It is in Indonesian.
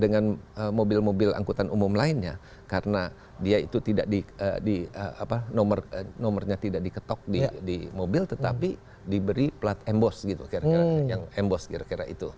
dengan mobil mobil angkutan umum lainnya karena dia itu tidak di nomornya tidak diketok di mobil tetapi diberi plat embos gitu kira kira yang embos kira kira itu